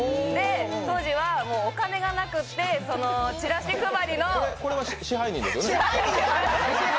当時はお金がなくて、チラシ配りのこれは支配人ですよね？